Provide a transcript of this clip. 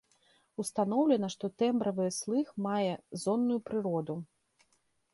Устаноўлена, што тэмбравыя слых мае зонную прыроду.